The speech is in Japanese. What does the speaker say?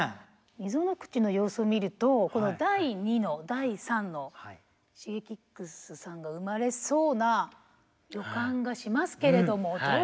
溝口の様子を見るとこの第２の第３のＳｈｉｇｅｋｉｘさんが生まれそうな予感がしますけれどもどうですか？